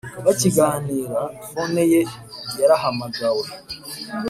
bakiganira fone ye yarahamagawe